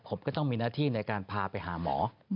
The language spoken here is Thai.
ผมก็ต้องมีหน้าที่ในการพาไปหาหมอ